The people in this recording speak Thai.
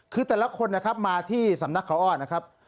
คือแต่ละคนนะครับมาที่สำนักเขาอ้อนะครับ